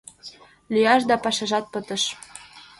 Лӱяш да пашажат пытыш!